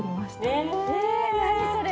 え何それ？